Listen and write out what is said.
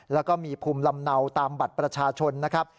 แล้วก็มีภูมิลำเนาตามบัตรประชาชนนะครับ